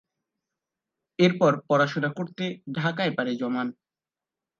এরপর পড়াশোনা করতে ঢাকায় পাড়ি জমান।